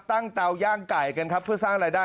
เตาย่างไก่กันครับเพื่อสร้างรายได้